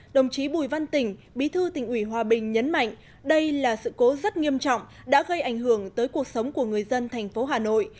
đồng chí bùi văn tỉnh bí thư tỉnh ủy hòa bình nhấn mạnh đây là sự cố rất nghiêm trọng đã gây ảnh hưởng tới cuộc sống của người dân thành phố hà nội